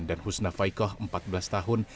dan husna faikoh empat belas tahun